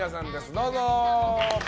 どうぞ！